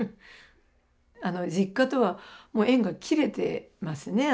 あの実家とはもう縁が切れてますね